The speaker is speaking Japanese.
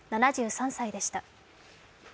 ７３歳でした。